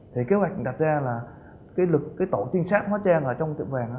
thì kế hoạch đặt ra là lực tổ tinh sát hóa tre vào trong tiệm vàng